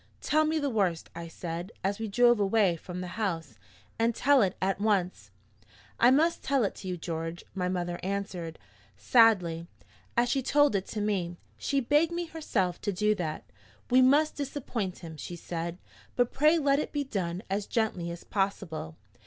"Tell me the worst," I said, as we drove away from the house, "and tell it at once." "I must tell it to you, George," my mother answered, sadly, "as she told it to me. She begged me herself to do that. 'We must disappoint him,' she said, 'but pray let it be done as gently as possible.'